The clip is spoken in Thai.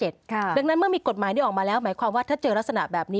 ดังนั้นเมื่อมีกฎหมายนี้ออกมาแล้วหมายความว่าถ้าเจอลักษณะแบบนี้